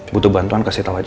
butuh bantuan kasih tahu aja